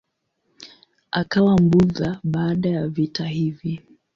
Akawa Mbudha baada ya vita hivi.